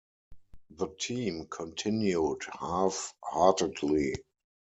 The team continued half-heartedly.